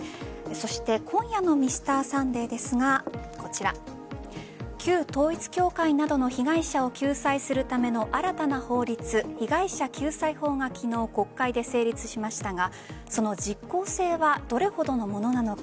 今夜の「Ｍｒ．サンデー」ですが旧統一教会などの被害者を救済するための新たな法律被害者救済法が昨日、国会で成立しましたがその実効性はどれほどのものなのか。